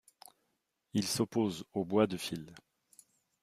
Il s'oppose au bois de fil.